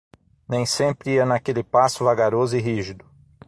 Nem sempre ia naquele passo vagaroso e rígido.